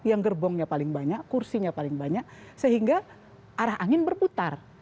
yang gerbongnya paling banyak kursinya paling banyak sehingga arah angin berputar